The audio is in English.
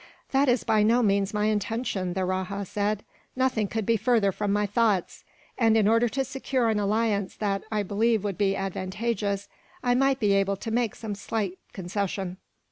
"That is by no means my intention," the Rajah said. "Nothing could be further from my thoughts; and in order to secure an alliance that, I believe, would be advantageous, I might be able to make some slight concession."